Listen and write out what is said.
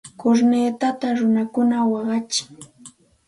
Kurnitata runakuna waqachin.